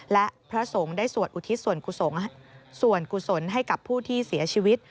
และพระสงฆ์ได้สวดอุทิศส่วนกุศลให้กับผู้ที่เสียชีวิต